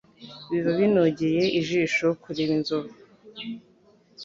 Biba binogeye ijisho kureba izovu